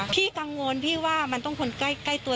พี่กังวลพี่ว่ามันต้องคนใกล้ตัว